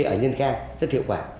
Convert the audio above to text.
ở nhân khang rất hiệu quả